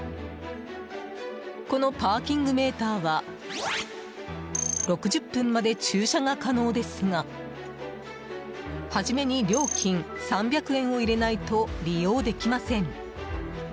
このパーキングメーターは６０分まで駐車が可能ですが始めに料金３００円を入れないと利用できません。